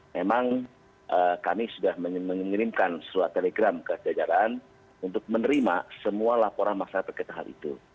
memang kami sudah mengirimkan surat telegram ke jajaran untuk menerima semua laporan masyarakat terkait hal itu